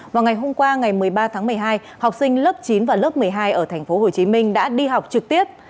vào ngày hôm qua ngày một mươi ba tháng một mươi hai học sinh lớp chín và lớp một mươi hai ở tp hcm đã đi học trực tiếp